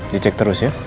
dicek terus ya